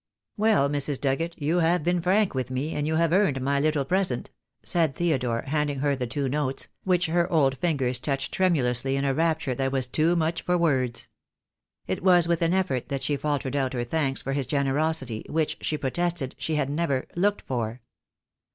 "Well, Mrs. Dugget, you have been frank with me, and you have earned my little present," said Theodore, handing her the two notes, which her old fingers touched tremulously in a rapture that was too much for words. It was with an effort that she faltered out her thanks for his generosity, which, she protested, she had never "looked for."